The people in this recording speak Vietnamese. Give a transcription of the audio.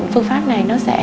phương pháp này nó sẽ